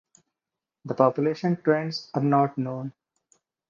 The population trends are not known.